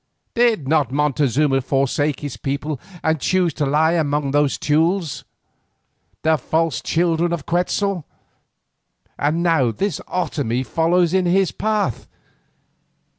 Did not Montezuma forsake his people and choose to lie among these Teules, the false children of Quetzal? And now this Otomie follows in his path.